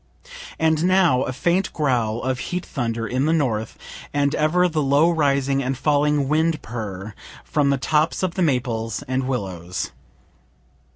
And now a faint growl of heat thunder in the north and ever the low rising and falling wind purr from the tops of the maples and willows.